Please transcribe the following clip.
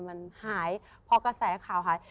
มันหายพอกระแสข่าวหาย